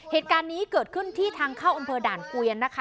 เหตุการณ์นี้เกิดขึ้นที่ทางเข้าอำเภอด่านเกวียนนะคะ